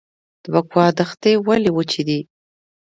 د بکوا دښتې ولې وچې دي؟